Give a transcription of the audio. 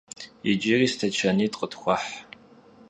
Yicıri steçanit' khıtxueh!